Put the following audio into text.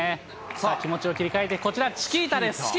さあ、気持ちを切り替えてこちら、チキータです。